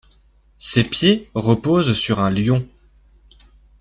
Ses pieds reposent sur un lion.